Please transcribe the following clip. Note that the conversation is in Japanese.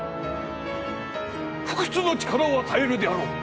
不屈の力を与えるであろう！